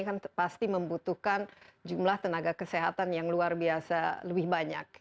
kan pasti membutuhkan jumlah tenaga kesehatan yang luar biasa lebih banyak